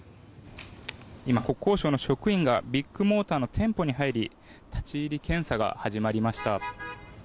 今、国交省の職員がビッグモーターの店舗に入り立ち入り検査が始まりました。